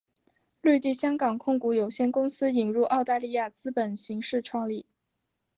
绿地香港控股有限公司引入澳大利亚资本形式创立。